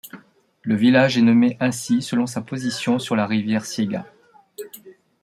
Le village est nommé ainsi selon sa position sur la rivière Siegas.